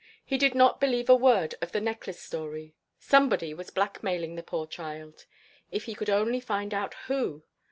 He did not believe a word of the necklace story. Somebody was blackmailing the poor child. If he could only find out who!